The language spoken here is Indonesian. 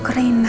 b bandit itu